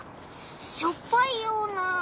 しょっぱいような。